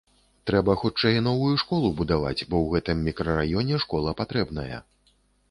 Трэба хутчэй новую школу будаваць, бо ў гэтым мікрараёне школа патрэбная.